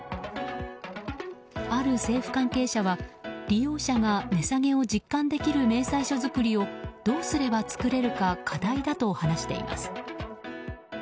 ある政府関係者は利用者が値下げを実感できる明細書作りをどうすれば作れるか課題だと話しています。